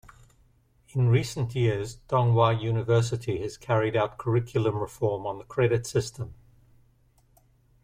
In recent years Donghua University has carried out curriculum reform on the credit system.